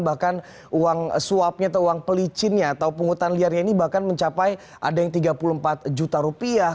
bahkan uang suapnya atau uang pelicinnya atau penghutan liarnya ini bahkan mencapai ada yang tiga puluh empat juta rupiah